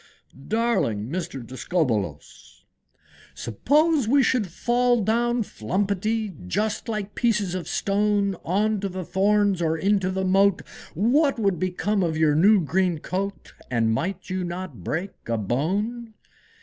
Darling Mr. Discobbolos! II. "Suppose we should fall down flumpetty, Just like pieces of stone, On to the thorns, or into the moat, What would become of your new green coat? And might you not break a bone?